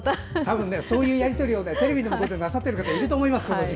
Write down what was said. そういうやり取りでテレビを見ている方もなさっている方いると思います。